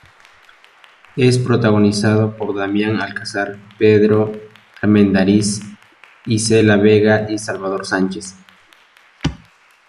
Es protagonizada por Damián Alcázar, Pedro Armendáriz Jr., Isela Vega y Salvador Sánchez.